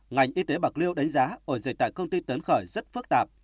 ngành y tế bạc liêu đánh giá ổ dịch tại công ty tấn khởi rất phức tạp